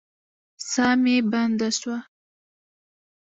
ساه مي بنده سوه.